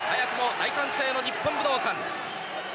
早くも大歓声の日本武道館。